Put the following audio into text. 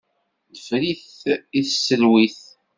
Nefren-it i tselwit.